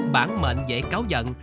bản mệnh dễ cáo giận